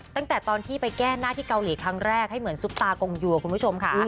ตั้งแต่ตอนที่ไปแก้หน้าที่เกาหลีครั้งแรกให้เหมือนซุปตากงยัวคุณผู้ชมค่ะ